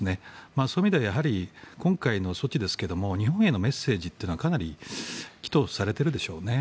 そういう意味では今回の措置ですが日本へのメッセージというのはかなり企図されてるでしょうね。